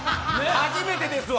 初めてですわ！